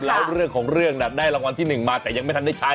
แล้วเรื่องของเรื่องน่ะได้รางวัลที่๑มาแต่ยังไม่ทันได้ใช้